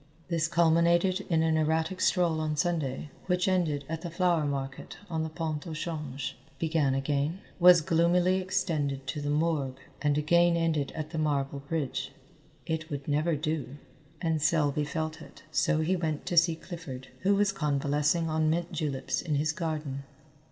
This culminated in an erratic stroll on Sunday which ended at the flower market on the Pont au Change, began again, was gloomily extended to the morgue, and again ended at the marble bridge. It would never do, and Selby felt it, so he went to see Clifford, who was convalescing on mint juleps in his garden.